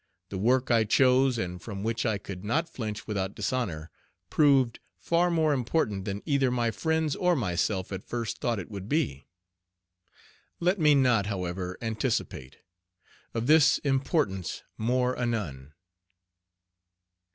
The work I chose, and from which I could not flinch without dishonor, proved far more important than either my friends or myself at first thought it would be. Let me not, however, anticipate. Of this importance more anon.